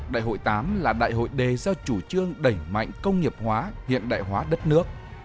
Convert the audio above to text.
đại hội viii là đại hội đề ra chủ trương đẩy mạnh công nghiệp hóa hiện đại hóa đất nước